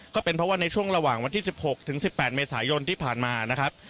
ก็เป็นเพราะว่าในช่วงระหว่างวันที่๑๖ถึง๑๘เมษายนที่ผ่านมานะครับ